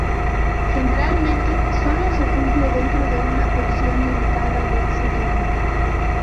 Generalmente sólo se cumple dentro de una porción limitada de ese todo.